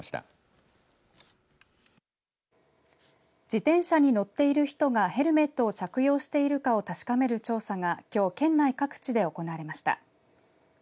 自転車に乗っている人がヘルメットを着用しているかを確かめる調査がきょう県内各地で行われました。